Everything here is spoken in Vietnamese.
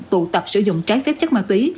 tụ tập sử dụng trái phép chất ma tủy